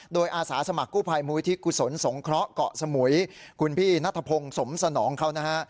โดยอาสาสมัครกู้ภัยมูลิธิกุศลสงเคราะห์เกาะสมุยคุณพี่นัทพงศ์สมสนองเขานะฮะ